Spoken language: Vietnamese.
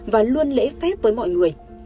và luôn lễ phép với mọi người